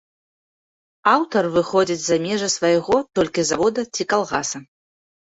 Аўтар выходзіць за межы свайго толькі завода ці калгаса.